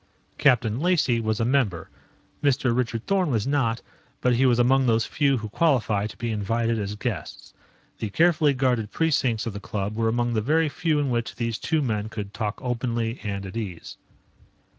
Captain Lacey was a member. Mr. Richard Thorn was not, but he was among those few who qualify to be invited as guests. The carefully guarded precincts of the club were among the very few in which these two men could talk openly and at ease.